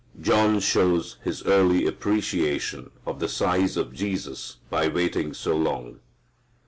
John shows his early appreciation of the size of Jesus by waiting so long.